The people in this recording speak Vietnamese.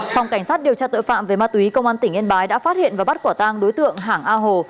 phòng cảnh sát điều tra tội phạm về ma túy công an tỉnh yên bái đã phát hiện và bắt quả tang đối tượng hàng a hồ